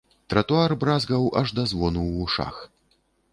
Тратуар бразгаў аж да звону ў вушах.